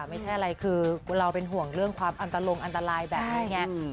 ไม่ใช่อะไรคือเราเป็นห่วงเรื่องความอันตลงอันตรายแบบนี้ไง